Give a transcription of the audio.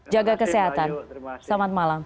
jaga kesehatan selamat malam